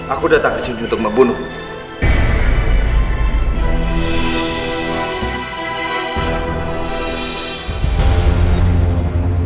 aku datang kesini untuk membunuhmu